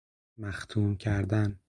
مختوم کردن